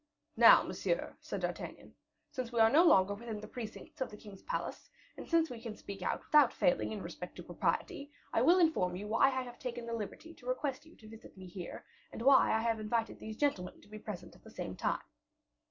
"Now, monsieur," said D'Artagnan, "since we are no longer within the precincts of the king's palace, and since we can speak out without failing in respect to propriety, I will inform you why I have taken the liberty to request you to visit me here, and why I have invited these gentlemen to be present at the same time.